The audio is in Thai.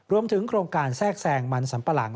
รวมถึงโครงการแทรกแซงมันสัมปะหลัง